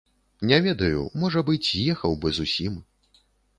Не ведаю, можа быць, з'ехаў бы зусім.